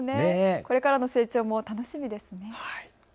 これからの成長も楽しみですね。